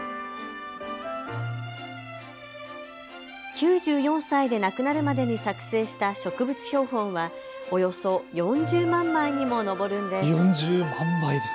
９４歳で亡くなるまでに作製した植物標本はおよそ４０万枚にも上るんです。